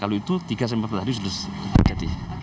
kalau itu tiga sampai empat belas hari sudah jadi